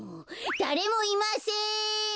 だれもいません！